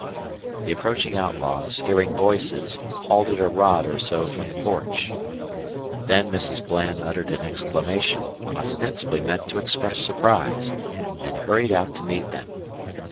The approaching outlaws, hearing voices, halted a rod or so from the porch. Then Mrs. Bland uttered an exclamation, ostensibly meant to express surprise, and hurried out to meet them.